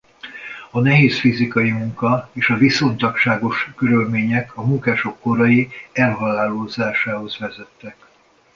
A nehéz fizikai munka és a viszontagságos körülmények a munkások korai elhalálozásához vezettek.